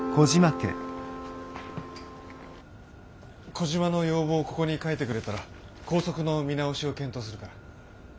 小嶋の要望をここに書いてくれたら校則の見直しを検討するから。